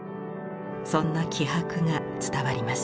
そんな気迫が伝わります。